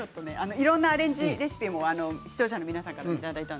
いろんなアレンジレシピも視聴者の皆さんからいただきました。